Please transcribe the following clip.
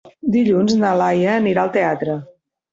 Dilluns na Laia anirà al teatre.